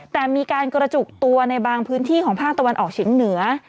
แต่มีการกระจุกตัวในบางพื้นที่ของภาคตะวันออกเฉียงเหนือ